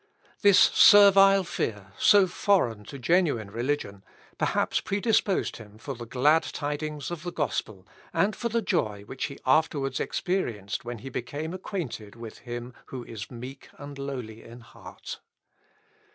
This servile fear, so foreign to genuine religion, perhaps predisposed him for the glad tidings of the gospel, and for the joy which he afterwards experienced when he became acquainted with him who is meek and lowly in heart.